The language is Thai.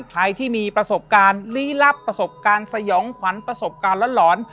ใครที่มีประสบการณ์ลี้ลับประสบการณ์สยองขวัญประสบการณ์หลอน